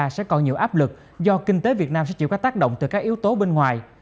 sẽ còn nhiều áp lực do kinh tế việt nam sẽ chịu các tác động từ các yếu tố bên ngoài